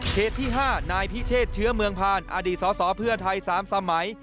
ที่๕นายพิเชษเชื้อเมืองผ่านอดีตสสเพื่อไทย๓สมัย